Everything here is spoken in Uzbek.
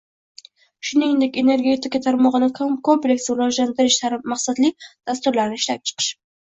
shuningdek energetika tarmog‘ini kompleks rivojlantirish maqsadli dasturlarini ishlab chiqish;